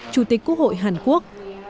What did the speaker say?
chủ tịch quốc hội hàn quốc